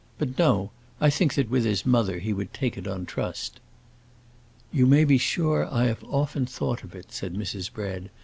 But no; I think that with his mother he would take it on trust." "You may be sure I have often thought of it," said Mrs. Bread.